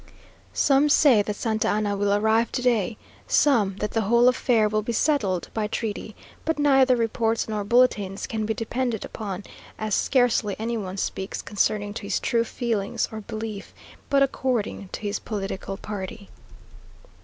Some say that Santa Anna will arrive to day some that the whole affair will be settled by treaty; but neither reports nor bulletins can be depended on, as scarcely any one speaks according to his true feelings or belief, but according to his political party....